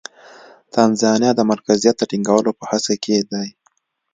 تانزانیا د مرکزیت د ټینګولو په هڅه کې دی.